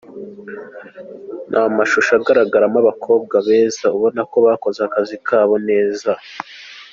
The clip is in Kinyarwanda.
Ni amashusho agaragaramo abakobwa beza ubona ko bakoze akazi kabo neza.